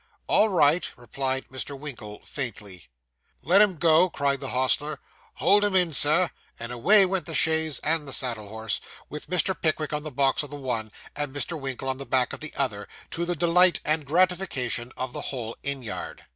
'All right,' replied Mr. Winkle faintly. 'Let 'em go,' cried the hostler. 'Hold him in, sir;' and away went the chaise, and the saddle horse, with Mr. Pickwick on the box of the one, and Mr. Winkle on the back of the other, to the delight and gratification of the whole inn yard.